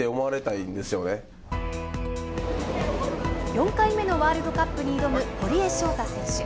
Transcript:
４回目のワールドカップに挑む堀江翔太選手。